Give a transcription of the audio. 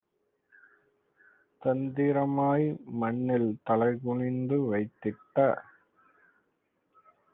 தந்திரமாய் மண்ணில் தலைகுனிந்து வைத்திட்ட